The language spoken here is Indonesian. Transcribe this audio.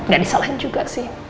gak disalahin juga sih